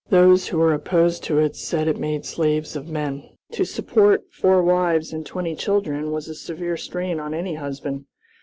Those who were opposed to it said it made slaves of men. To support four wives and twenty children was a severe strain on any husband.